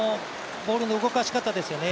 ボールの動かし方ですよね。